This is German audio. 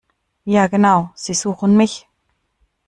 Ja genau, Sie suchen mich!